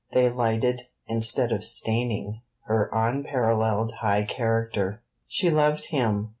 They lighted, instead of staining, her unparalleled high character. She loved him.